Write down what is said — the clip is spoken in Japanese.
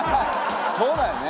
そうだよね。